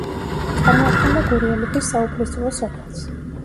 წარმოადგენდა გურიელების საუფლისწულო სოფელს.